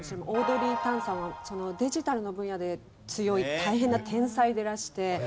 オードリー・タンさんはデジタルの分野で強い大変な天才でらして。